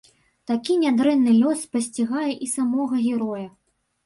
Такі нядрэнны лёс спасцігае і самога героя.